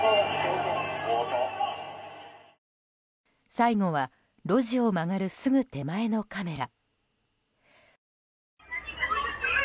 最後は路地を曲がるすぐ手前のカメラ。